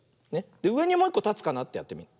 うえにもういっこたつかなってやってみる。